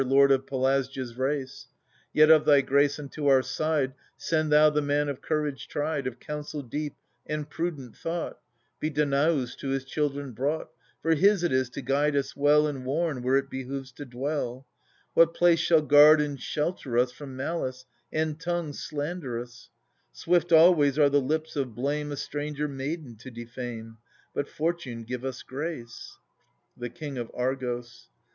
Lord of Pelasgids race. Yet, of thy grace, unto our side Send thou the man of courage tried, Of counsel deep and prudent thought, — Be Danaus to his children brought ; For his it is to guide us well And warn where it behoves to dwell — What place shall guard and shelter us From malice and tongues slanderous : Swift always are the lips of blame A stranger maiden to defame — But Fortune give us grace ! The King of Argos.